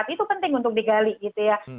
itu penting untuk digali gitu ya